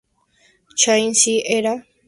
Chan Sy era un camboyano de ascendencia china.